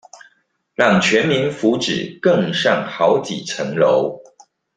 讓全民福祉更上好幾層樓